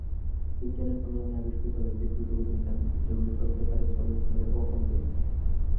বিজ্ঞানের কল্যাণে আবিষ্কৃত হয়েছে দ্রুতগতির যানবাহন যেগুলো চলতে পারে জলে, স্থলে ও অন্তরীক্ষে।